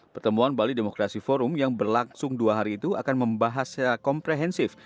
pertemuan bali demokrasi forum yang berlangsung dua hari itu akan membahas secara komprehensif